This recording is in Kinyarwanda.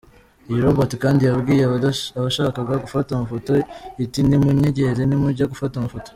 Iyi robot kandi yabwiye abashakaga gufata amafoto iti “Ntimunyegere nimujya gufata amafoto.